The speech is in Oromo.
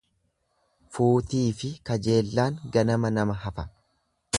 Fuutiifi kajeellaan ganama nama hafa.